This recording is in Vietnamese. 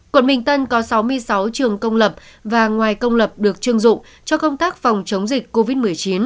quận bình tân có sáu mươi sáu trường công lập và ngoài công lập được chương dụng cho công tác phòng chống dịch covid một mươi chín